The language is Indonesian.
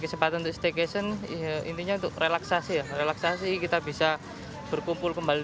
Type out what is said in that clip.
kesempatan untuk staycation intinya untuk relaksasi ya relaksasi kita bisa berkumpul kembali